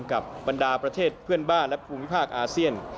บรรดาประเทศเพื่อนบ้านและภูมิภาคอาเซียน